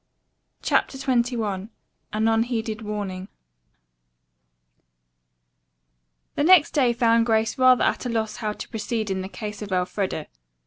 CHAPTER XXI AN UNHEEDED WARNING The next day found Grace rather at a loss how to proceed in the case of Elfreda.